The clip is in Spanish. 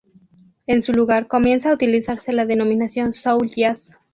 En su lugar, comienza a utilizarse la denominación "soul jazz".